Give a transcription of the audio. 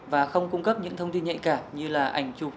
và không cung cấp những thông tin nhạy cảm như là ảnh chụp